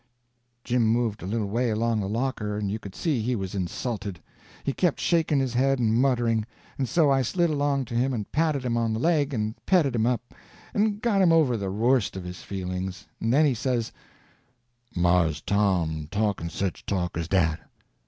Jim moved a little way along the locker, and you could see he was insulted. He kept shaking his head and muttering, and so I slid along to him and patted him on the leg, and petted him up, and got him over the worst of his feelings, and then he says: "Mars Tom talkin' sich talk as dat!